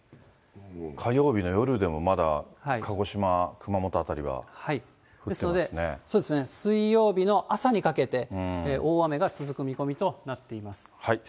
火曜日の夜でも、まだ鹿児島、ですので、水曜日の朝にかけて、大雨が続く見込みとなっています。